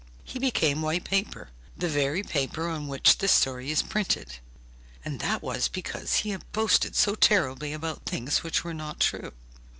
he became white paper, the very paper on which this story is printed. And that was because he had boasted so terribly about things which were not true.